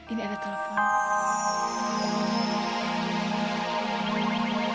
ini ada telepon